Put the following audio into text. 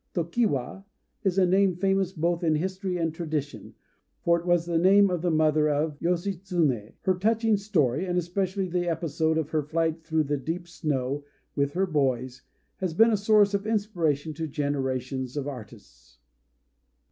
"Tokiwa" is a name famous both in history and tradition; for it was the name of the mother of Yoshitsuné. Her touching story, and especially the episode of her flight through the deep snow with her boys, has been a source of inspiration to generations of artists.